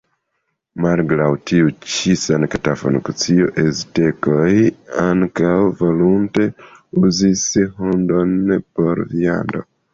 Malgraŭ tiu ĉi sankta funkcio, aztekoj ankaŭ volonte uzis la hundon por viando.